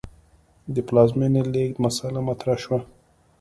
د پلازمې لېږد مسئله مطرح شوه.